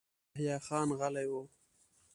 يحيی خان غلی و.